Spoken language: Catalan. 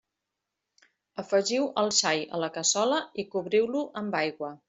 Afegiu el xai a la cassola i cobriu-lo amb aigua.